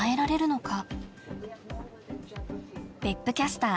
別府キャスター